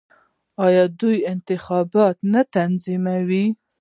آیا دوی انتخابات نه تنظیموي؟